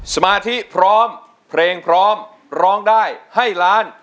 สมาธิพร้อมเพลงพร้อมร้องได้ให้ล้าน